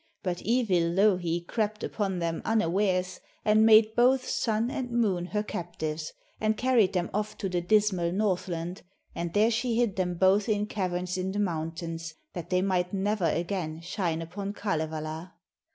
But evil Louhi crept upon them unawares and made both Sun and Moon her captives, and carried them off to the dismal Northland, and there she hid them both in caverns in the mountains, that they might never again shine upon Kalevala.